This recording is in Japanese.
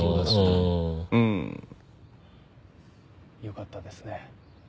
よかったですね